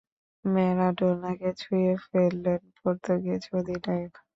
ম্যারাডোনাকে ছুঁয়ে ফেলেছেন পর্তুগিজ অধিনায়ক।